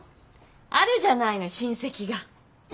あるじゃないの親戚が。